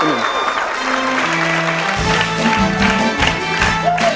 ขอบคุณมากครับ